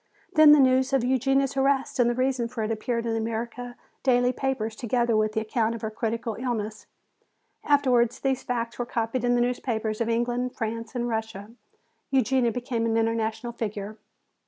Then the news of Eugenia's arrest and the reason for it appeared in the American daily papers together with the account of her critical illness. Afterwards these facts were copied in the newspapers of England, France and Russia. Eugenia became an international figure.